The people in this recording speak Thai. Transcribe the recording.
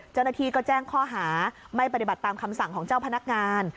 เจ้าหน้าที่ก็แจ้งข้อหาไม่ปฏิบัติตามคำสั่งของเจ้าพนักงาน